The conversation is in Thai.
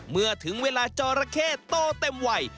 เมื่อถึงเวลาจอราเข้โตเต็มวัย